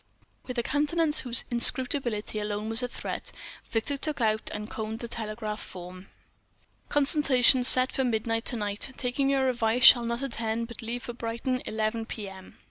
With a countenance whose inscrutability alone was a threat, Victor took out and conned the telegraph form. "CONSULTATION SET FOR MIDNIGHT TO NIGHT TAKING YOUR ADVICE SHALL NOT ATTEND BUT LEAVE FOR BRIGHTON ELEVEN P.M."